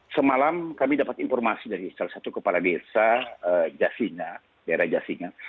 semalam kami dapat informasi dari salah satu kepala desa jasina daerah jasina